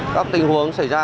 các tình huống xảy ra